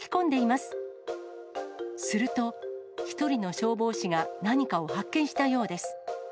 すると、１人の消防士が何かを発見したようです。